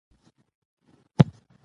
موږ باید د ښار شنه ساحې وساتو